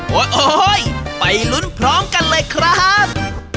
โอ๊ยไปลุ้นพร้อมกันเลยครับ